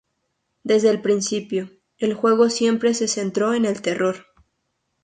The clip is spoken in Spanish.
Desde el principio, el juego siempre se centró en el terror.